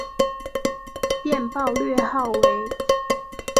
电报略号为。